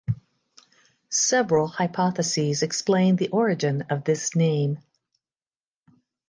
Several hypotheses explain the origin of this name.